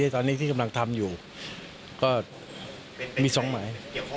ตอนนี้ที่กำลังทำอยู่ก็มี๒หมาย